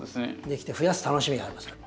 できてふやす楽しみがありますよね。